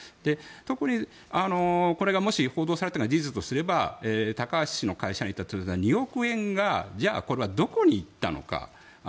特に、報道されているのが事実だとすれば高橋氏の会社の２億円がじゃあ、これはどこに行ったのか。